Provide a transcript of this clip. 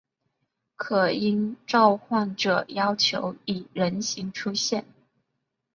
可应召唤者要求以人形出现。